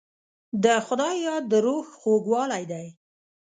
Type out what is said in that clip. د خدای یاد د روح خوږوالی دی.